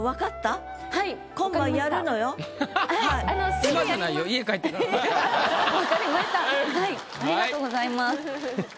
ありがとうございます。